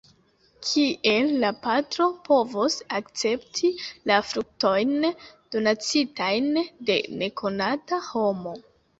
Kiel la patro povos akcepti la fruktojn, donacitajn de nekonata homo.